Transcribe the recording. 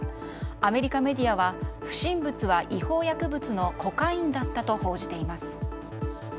アメリカメディアは不審物は違法薬物のコカインだったと報じています。